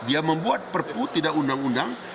dia membuat perpu tidak undang undang